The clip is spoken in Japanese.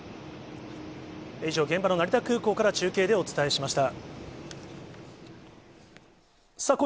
以上、現場の成田空港から、中継でお伝えしました。